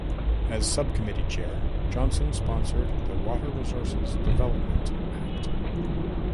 As Subcommittee Chair, Johnson sponsored the Water Resources Development Act.